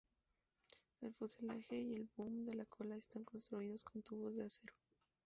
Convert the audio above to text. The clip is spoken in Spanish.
El fuselaje y el boom de cola están construidos de tubos de acero.